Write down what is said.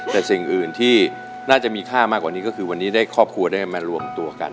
แต่สิ่งอื่นที่น่าจะมีค่ามากกว่านี้ก็คือวันนี้ได้ครอบครัวได้มารวมตัวกัน